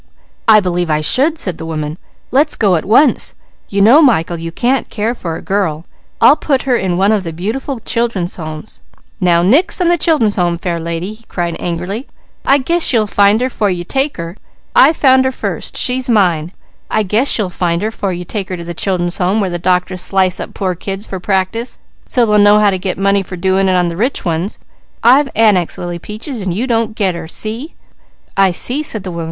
"I believe I should!" said the woman. "Let's go at once. You know Michael, you can't care for a girl. I'll put her in one of the beautiful Children's Homes " "Now nix on the Children's Homes, fair lady!" he cried angrily. "I guess you'll find her, 'fore you take her! I found her first, and she's mine! I guess you'll find her, 'fore you take her to a Children's Home, where the doctors slice up the poor kids for practice so they'll know how to get money for doing it to the rich ones. I've annexed Lily Peaches, and you don't 'get' her! See?" "I see," said the woman.